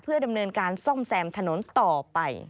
ดำเนินการซ่อมแซมถนนต่อไป